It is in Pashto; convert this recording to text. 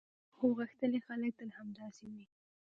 هو، غښتلي خلک تل همداسې وي.